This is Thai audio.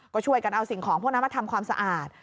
ก็ช่วยกันเอาสิ่งของพวกนั้นมาทำความสะอาด